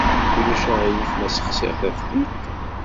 Ulac aɣilif ma ssexsiɣ taftilt?